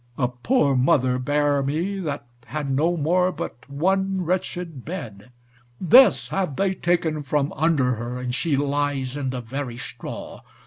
A poor mother bare me, that had no more but one wretched bed; this have they taken from under her, and she lies in the very straw.